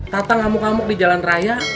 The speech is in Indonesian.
tatang hamuk hamuk di jalan raya